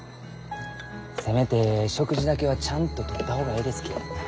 せめて食事だけはちゃんととった方がえいですき。